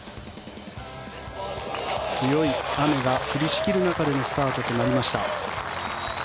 強い雨が降りしきる中でのスタートとなりました。